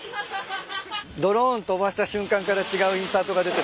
ドローン飛ばした瞬間から違うインサートが出て。